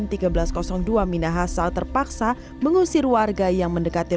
minahasa selatan dan tentara dari kodim seribu tiga ratus dua minahasa terpaksa mengusir warga yang mendekati